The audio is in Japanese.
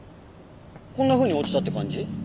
こんなふうに落ちたって感じ？